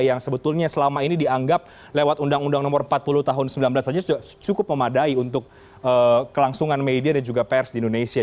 yang sebetulnya selama ini dianggap lewat undang undang nomor empat puluh tahun sembilan belas saja cukup memadai untuk kelangsungan media dan juga pers di indonesia